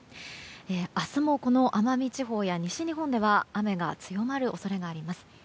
明日もこの奄美地方や西日本では雨が強まる恐れがあります。